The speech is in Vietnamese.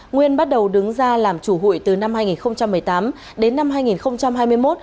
nguyên bắt đầu đứng ra làm chủ hụi từ năm hai nghìn một mươi tám đến năm hai nghìn hai mươi một